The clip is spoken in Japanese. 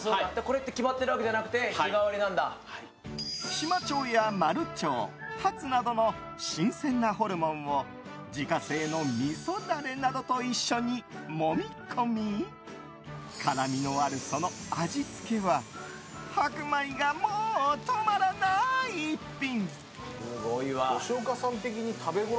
シマチョウやマルチョウハツなどの新鮮なホルモンを自家製のみそダレなどと一緒にもみ込み辛みのある、その味付けは白米がもう止まらない一品。